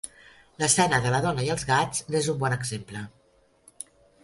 L'escena de la dona i els gats n'és un bon exemple.